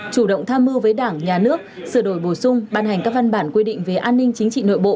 chủ động tham mưu với đảng nhà nước sửa đổi bổ sung ban hành các văn bản quy định về an ninh chính trị nội bộ